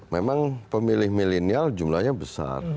memang pemilih milenial jumlahnya besar